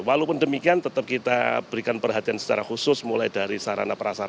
walaupun demikian tetap kita berikan perhatian secara khusus mulai dari sarana perasaan